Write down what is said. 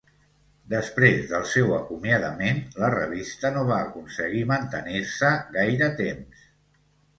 Després del seu acomiadament la revista no va aconseguir mantenir-se gaire temps.